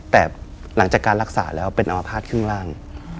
แต่หลังจากการรักษาแล้วเป็นอมภาษณ์ครึ่งล่าง